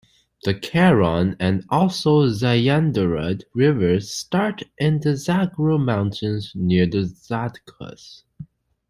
The Karun and also Zayanderud rivers start in the Zagros mountains near the Zardkuh.